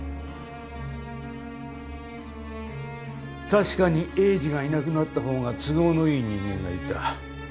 確かに栄治がいなくなった方が都合のいい人間がいた。